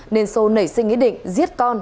nên sô nảy sinh ý định giết con